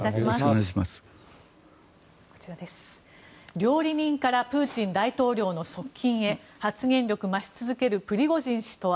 料理人からプーチン大統領の側近へ発言力増し続けるプリゴジン氏とは。